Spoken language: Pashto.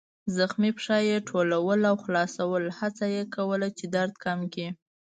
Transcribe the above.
زخمي پښه يې ټولول او خلاصول، هڅه یې کوله چې درد کم کړي.